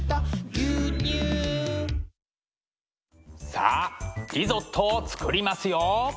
さあリゾットを作りますよ。